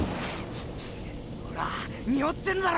ほらニオってんだろ。